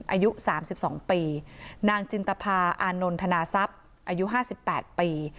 อายุสามสิบสองปีนางจินตภาอานนทนาซับอายุห้าสิบแปดปี